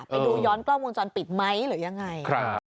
ไปดูย้อนกล้องวงจรปิดไหมหรือยังไง